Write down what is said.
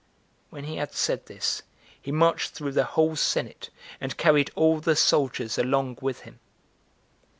When he had said this, he marched through the whole senate, and carried all the soldiers along with him.